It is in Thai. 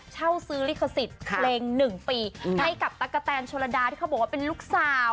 เช่าซื้อลิขสิทธิ์เพลง๑ปีให้กับตั๊กกะแตนโชลดาที่เขาบอกว่าเป็นลูกสาว